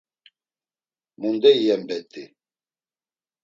Munde iyen bet̆i?